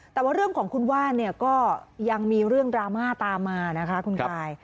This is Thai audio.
แต่ว่าเรื่องของคุณว่านเนี่ยก็ยังมีเรื่องดราม่าตามมานะคะคุณกาย